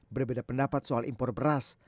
berbeda pendapat soal impor beras